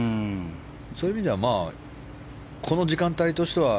そういう意味ではこの時間帯としては。